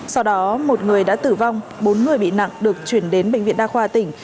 sau đó một người đã tử vong bốn người bị nặng được chuyển đến bệnh viện đa khoa tỉnh